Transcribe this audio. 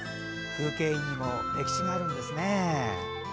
風景印にも歴史があるんですね。